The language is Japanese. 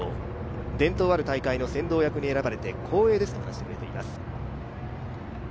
伝統ある大会の先導役に選ばれて光栄ですと話しています。